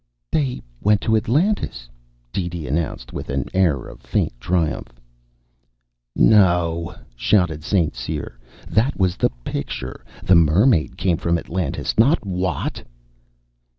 "They went to Atlantis," DeeDee announced with an air of faint triumph. "No!" shouted St. Cyr. "That was the picture! The mermaid came from Atlantis, not Watt!"